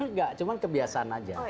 nggak cuma kebiasaan aja